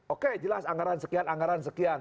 oke jelas anggaran sekian anggaran sekian